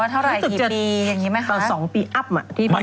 ว่าเท่าไหร่กี่ปีอย่างนี้ไหมคะ